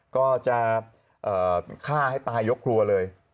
ก็จะฆ่าให้ตายยกครัวเลย